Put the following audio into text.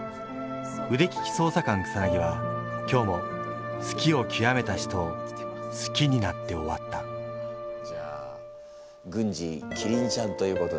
腕利き捜査官草は今日も好きをきわめた人を好きになって終わったじゃあ郡司キリンちゃんということで。